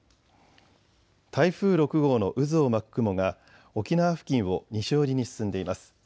台風６号の渦を巻く雲が沖縄付近を西寄りに進んでいます。